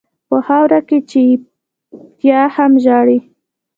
په خاوره کې چپتيا هم ژاړي.